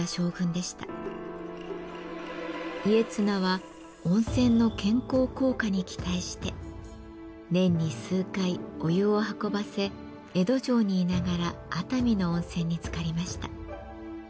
家綱は温泉の健康効果に期待して年に数回お湯を運ばせ江戸城にいながら熱海の温泉につかりました。